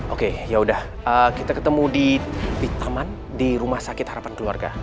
oke yaudah kita ketemu di taman di rumah sakit harapan keluarga